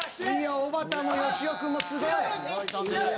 おばたもよしお君もすごい。